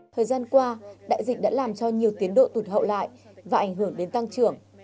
thời gian qua đại dịch đã làm cho nhiều tiến độ tụt hậu lại và ảnh hưởng đến tăng trưởng